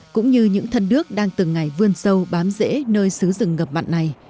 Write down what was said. cũng như những thân đước đang từng ngày vươn sâu bám dễ nơi xứ rừng ngập mặn này